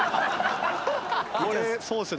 これそうですよね。